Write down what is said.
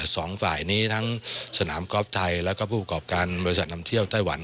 สองฝ่ายนี้ทั้งสนามกอล์ฟไทยแล้วก็ผู้ประกอบการบริษัทนำเที่ยวไต้หวัน